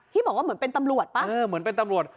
ที่บอกว่าเหมือนเป็นตำรวจ